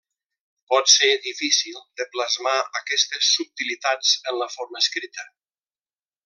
Pot ser difícil de plasmar aquestes subtilitats en la forma escrita.